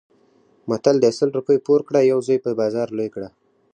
متل دی: سل روپۍ پور کړه یو زوی په بازار لوی کړه.